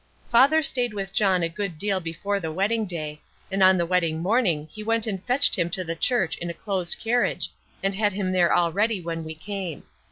Father stayed with John a good deal before the wedding day, and on the wedding morning he went and fetched him to the church in a closed carriage and had him there all ready when we came.